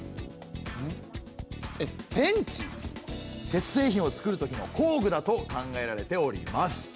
鉄製品を作るときの工具だと考えられております。